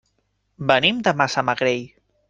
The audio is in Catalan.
Venim de Massamagrell.